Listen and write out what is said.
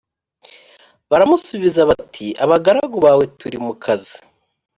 Baramusubiza bati Abagaragu bawe turi mu kazi